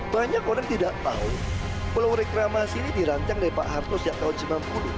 banyak orang tidak tahu kalau reklamasi ini dirancang lepak harto sejak tahun sembilan puluh